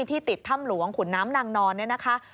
ที่ติดถ้ำหลวงขุนน้ำนางนอนเนี่ยนะคะ